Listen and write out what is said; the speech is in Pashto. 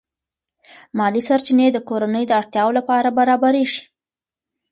مالی سرچینې د کورنۍ د اړتیاوو لپاره برابرېږي.